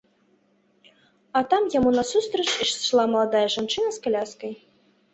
А там яму насустрач ішла маладая жанчына з каляскай.